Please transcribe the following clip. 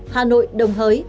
hà nội đồng hới